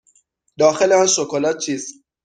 داخل آن شکلات چیست؟